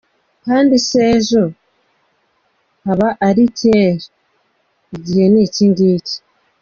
Kandi si ejo, haba ari kera, igihe ni iki ngiki!